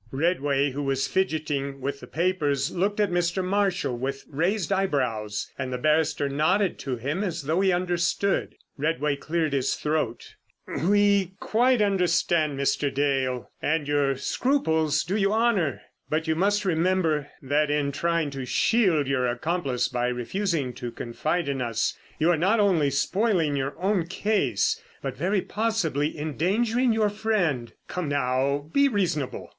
Redway, who was fidgeting with the papers, looked at Mr. Marshall with raised eyebrows, and the barrister nodded to him as though he understood. Redway cleared his throat: "We quite understand, Mr. Dale, and your scruples do you honour; but you must remember that in trying to shield your accomplice by refusing to confide in us, you are not only spoiling your own case, but very possibly endangering your friend. Come, now, be reasonable.